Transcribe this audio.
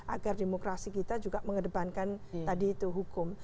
agar demokrasi kita juga mengedepankan tadi itu hukum